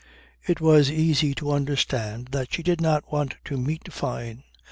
It was easy to understand that she did not want to meet Fyne.